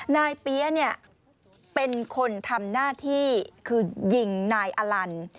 เปี๊ยะเนี่ยเป็นคนทำหน้าที่คือยิงนายอลัน